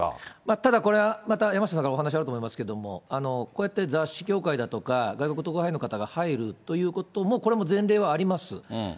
ただ、これはまた山下さんからお話あると思いますけれども、こうやって雑誌協会だとか、外国特派員の方が入るということも、これは前例はあります。